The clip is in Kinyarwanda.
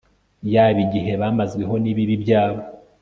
yabo igihe bamazweho n ibibi byabo